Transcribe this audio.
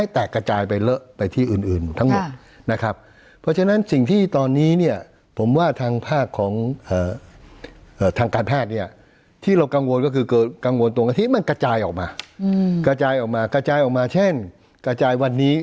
ที่เรากังวลก็คือกังวลตรงที่มันกระจายออกมากระจายออกมาเช่นกระจายวันนี้